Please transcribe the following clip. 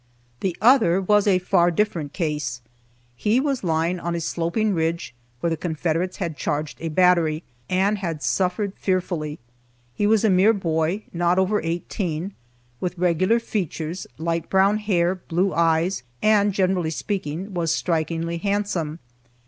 The other was a far different case. He was lying on a sloping ridge, where the Confederates had charged a battery, and had suffered fearfully. He was a mere boy, not over eighteen, with regular features, light brown hair, blue eyes, and, generally speaking, was strikingly handsome.